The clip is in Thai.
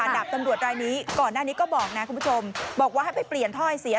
ดาบตำรวจรายนี้ก่อนหน้านี้ก็บอกนะคุณผู้ชมบอกว่าให้ไปเปลี่ยนถ้อยเสีย